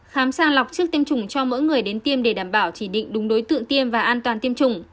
khám sàng lọc trước tiêm chủng cho mỗi người đến tiêm để đảm bảo chỉ định đúng đối tượng tiêm và an toàn tiêm chủng